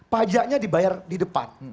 pajaknya dibayar di depan